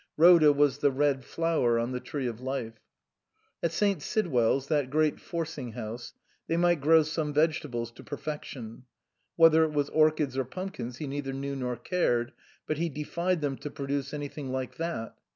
Rhoda was the red flower on the tree of life. At St. Sidwell's, that great forcing house, they might grow some vegetables to perfection ; whether it was orchids or pumpkins he neither knew nor cared ; but he defied them to produce anything like that.